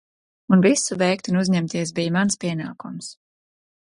Un visu veikt un uzņemties bija mans pienākums.